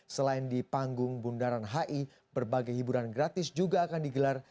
selain di panggung bundaran hi berbagai hiburan gratis juga akan digelar